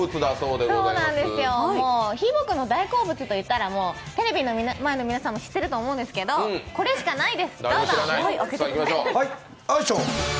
もうひーぼぉくんの大好物といったら、テレビの前の皆さんも知ってると思うんですけど、これしかないです、どうぞ。